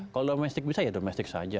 kalau domestik bisa ya domestik saja